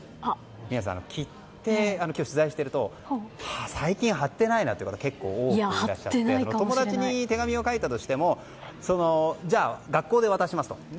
皆さん切手、取材していると最近、貼ってないなという方結構多くいらっしゃって友達に手紙を書いたとしても学校で渡しますと。